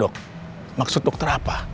dok maksud dokter apa